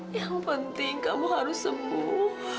yang penting kamu harus sepuh